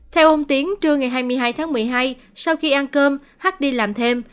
theo ông tiến trưa ngày hai mươi hai tháng một mươi hai sau khi ăn cơm hát đi làm thêm